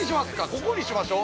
ここにしましょう。